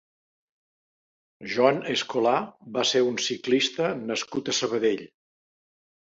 Joan Escolà va ser un ciclista nascut a Sabadell.